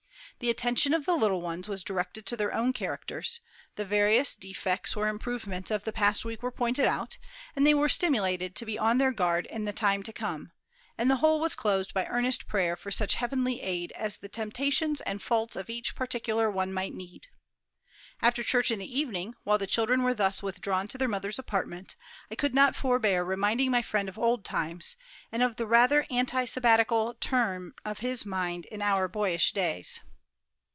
The attention of the little ones was directed to their own characters, the various defects or improvements of the past week were pointed out, and they were stimulated to be on their guard in the time to come, and the whole was closed by earnest prayer for such heavenly aid as the temptations and faults of each particular one might need. After church in the evening, while the children were thus withdrawn to their mother's apartment, I could not forbear reminding my friend of old times, and of the rather anti sabbatical turn of his mind in our boyish days.